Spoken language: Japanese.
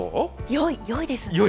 よい、よいですね。